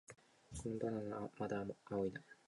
このバナナ、まだ青いな